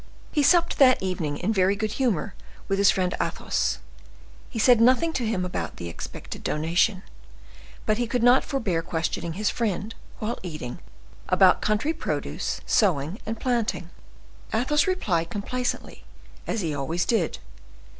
He supped that evening, in very good humor, with his friend Athos; he said nothing to him about the expected donation, but he could not forbear questioning his friend, while eating, about country produce, sowing, and planting. Athos replied complacently, as he always did.